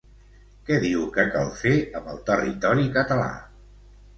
Què diu que cal fer amb el territori català?